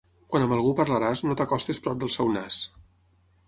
Quan amb algú parlaràs, no t'acostis prop del seu nas.